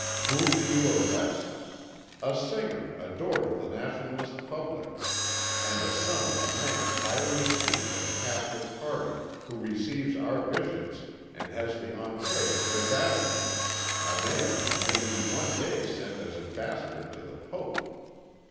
Whom do you arrest? A singer adored of the nationalist public, and the son of a man highly esteemed in the Catholic party, who receives our bishops and has the entrée to the Vatican; a man who may be one day sent as ambassador to the Pope.